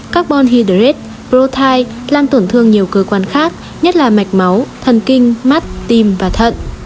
carbon hydrate protein làm tổn thương nhiều cơ quan khác nhất là mạch máu thần kinh mắt tim và thận